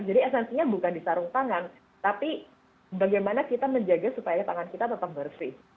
jadi esensinya bukan di sarung tangan tapi bagaimana kita menjaga supaya tangan kita tetap bersih